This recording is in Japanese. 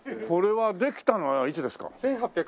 これはできたのはいつですか？